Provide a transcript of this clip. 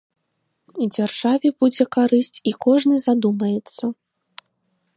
І дзяржаве будзе карысць, і кожны задумаецца.